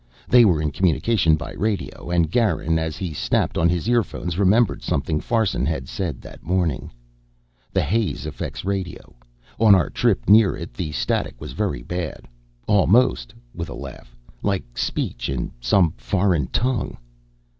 They were in communication by radio and Garin, as he snapped on his earphones, remembered something Farson had said that morning: "The haze affects radio. On our trip near it the static was very bad. Almost," with a laugh, "like speech in some foreign tongue."